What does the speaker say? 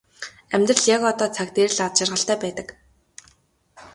Амьдрал яг одоо цаг дээр л аз жаргалтай байдаг.